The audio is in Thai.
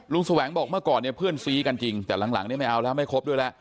แสวงบอกเมื่อก่อนเนี่ยเพื่อนซี้กันจริงแต่หลังเนี่ยไม่เอาแล้วไม่ครบด้วยแล้ว